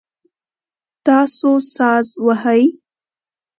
تاسو ساز وهئ؟